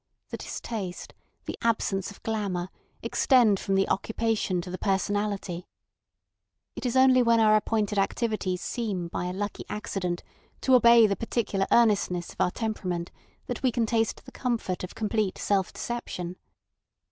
The distaste, the absence of glamour, extend from the occupation to the personality. It is only when our appointed activities seem by a lucky accident to obey the particular earnestness of our temperament that we can taste the comfort of complete self deception.